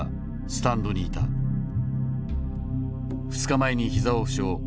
２日前に膝を負傷。